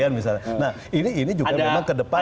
nah ini juga memang ke depan